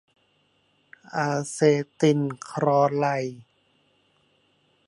อาเซติลคลอไรด์